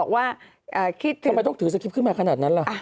ทำไมเรามีถือสกิญดินขนาดนั้นล่ะ